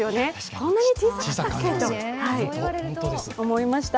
こんなに小さかったっけって思いました。